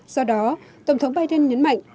do đó tổng thống biden nhấn mạnh